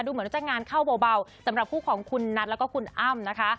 เหมือนว่าจะงานเข้าเบาสำหรับคู่ของคุณนัทแล้วก็คุณอ้ำนะคะ